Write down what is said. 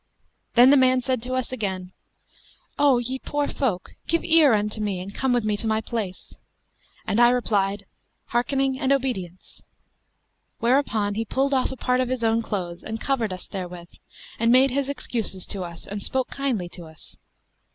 Then the man said to us again, 'O ye poor folk, give ear unto me and come with me to my place,' and I replied, 'Hearkening and obedience;' whereupon he pulled off a part of his own clothes and covered us therewith and made his excuses to us and spoke kindly to us.